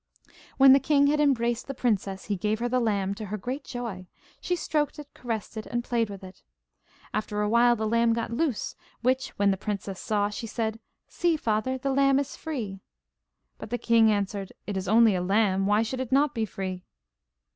When the king had embraced the princess, he gave her the lamb, to her great joy. She stroked it, caressed it, and played with it. After a while the lamb got loose, which, when the princess saw, she said: 'See, father, the lamb is free.' But the king answered: 'It is only a lamb, why should it not be free?